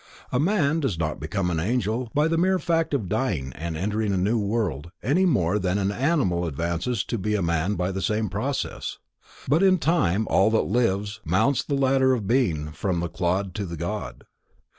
A man does not become an Angel by the mere fact of dying and entering a new world any more than an animal advances to be a man by the same process. But in time all that lives, mounts the ladder of Being from the clod to the God.